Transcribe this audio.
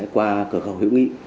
qua cửa khẩu hiếu nghị